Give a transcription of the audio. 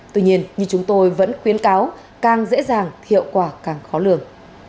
tuy nhiên như chúng tôi vẫn khuyến cáo càng dễ dàng hiệu quả càng khó lường